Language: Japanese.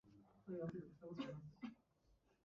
理系のおばあちゃん初めて見た。